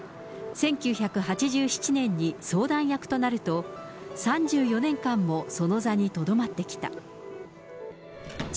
浩子氏は取締役会長を経て、１９８７年に相談役となると、３４年間もその座にとどまってきた。